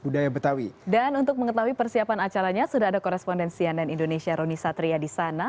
dan untuk mengetahui persiapan acaranya sudah ada korespondensi andan indonesia roni satria di sana